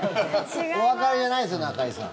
お別れじゃないですよ中居さん。